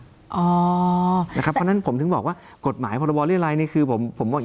เพราะฉะนั้นผมถึงบอกว่ากฎหมายพลเรียรายคือผมเพราะว่า